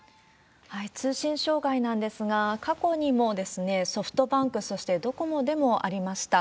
通信障害なんですが、過去にも、ソフトバンク、そしてドコモでもありました。